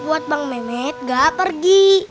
buat bang memen gak pergi